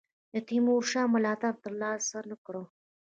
د تیمورشاه ملاتړ تر لاسه نه کړ.